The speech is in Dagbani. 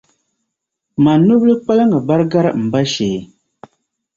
Man’ nubil’ kpaliŋga bari gari m ba shee!